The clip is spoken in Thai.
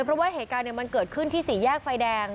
เพราะว่าเหตุการณ์มันเกิดขึ้นที่สี่แยกไฟแดง